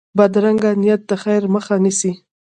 بدرنګه نیت د خیر مخه نیسي